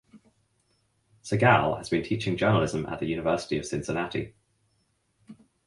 Segal has been teaching journalism at the University of Cincinnati.